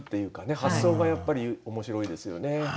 発想がやっぱり面白いですよね。